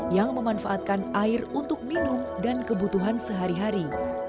yang memanfaatkan air untuk minum dan kebutuhan sehari hari